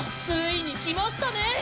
ついに来ましたね！